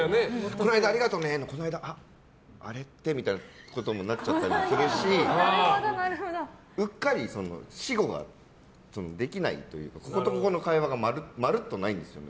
この間ありがとね！ってこの間って？ってことになっちゃいますしうっかり私語ができないというかこことここの会話がまるっとないんですよね。